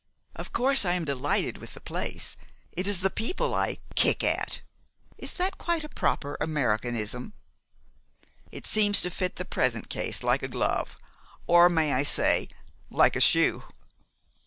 Of course, I am delighted with the place. It is the people I kick at? Is that a quite proper Americanism?" "It seems to fit the present case like a glove, or may I say, like a shoe?"